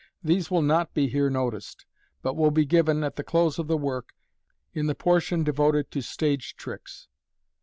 These will not be here noticed, but will be given, at the close of the work, in the por tion devoted to Stage Tricks.